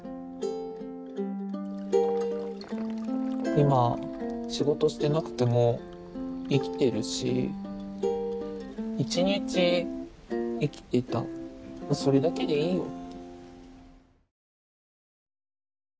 今仕事してなくても生きてるし一日生きてたそれだけでいいよって。